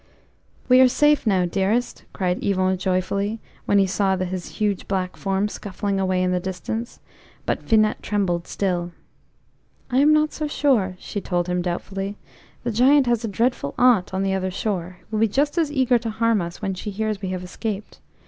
"We are safe now, dearest!" cried Yvon joyfully, when they saw his huge black form scuffling away in the distance; but Finette trembled still. "I am not so sure," she told him doubtfully. "The Giant has a dreadful aunt on the other shore, who will be just as eager to harm us when she hears we have escaped.